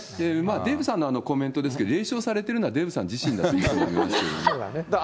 デーブさんのあのコメントですけれども、冷笑されてるのは、デーブさん自身だというふうに思いますけれども。